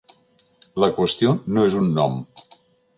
La qüestió no és un nom.